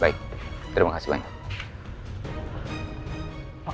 baik terima kasih banyak